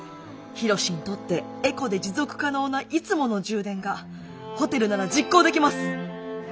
緋炉詩にとってエコで持続可能ないつもの充電がホテルなら実行できます。